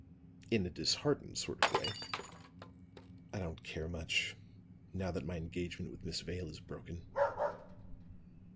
But," in a disheartened sort of way, "I don't care much, now that my engagement with Miss Vale is broken."